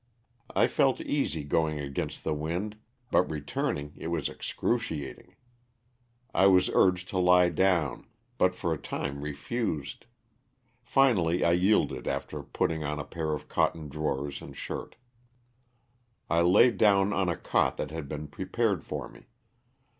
I felt easy going against the wind, but returning it was excruciating. I was urged to lie down, but for a time refused ; finally I yielded after putting on a pair of cotton drawers and shirt. I laid down on a cot that had been prepared for me.